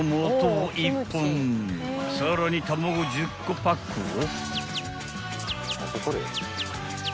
［さらに卵１０個パックを］